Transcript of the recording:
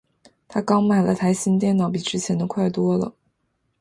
她刚买了台新电脑，比之前的快多了。